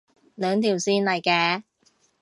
兩條線嚟嘅